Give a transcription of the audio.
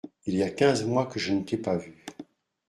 Il y a quinze mois que je ne t’ai pas vu.